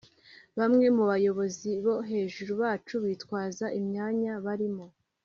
bamwe mu bayobozizi bo hejuru bacu bitwaza imyanya barimo